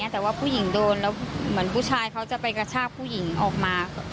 แต่ว่าผู้หญิงโดนแล้วเหมือนผู้ชายเขาจะไปกระชากผู้หญิงออกมา